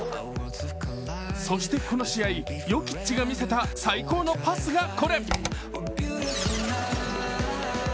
そしてこの試合、ヨキッチが見せた最高のパスがこれ。